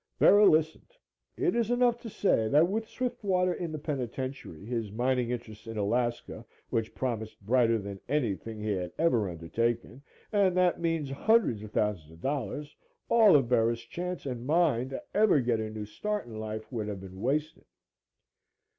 Bera listened. It is enough to say that with Swiftwater in the penitentiary, his mining interests in Alaska, which promised brighter than anything he had ever undertaken, and that means hundreds of thousands of dollars, all of Bera's chance and mine to ever get a new start in life would have been wasted.